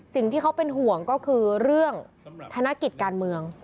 สิ่งที่เขาเป็นห่วงก็คือเรื่องธนกิจการเมือง